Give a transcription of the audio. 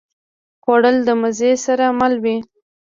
خوړل د مزې سره مل وي